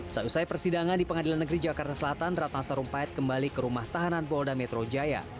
selesai persidangan di pengadilan negeri jakarta selatan ratna sarumpait kembali ke rumah tahanan polda metro jaya